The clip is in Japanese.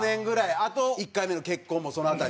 あと１回目の結婚もその辺り。